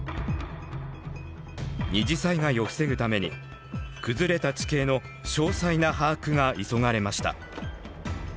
二次災害を防ぐために崩れた地形の詳細な把握が急がれました。